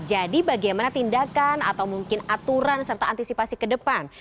jadi bagaimana tindakan atau mungkin aturan serta antisipasi ke depan